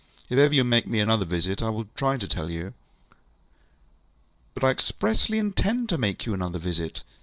If ever you make me another visit, I will try to tell you. ŌĆØ ŌĆ£But I expressly intend to make you another visit.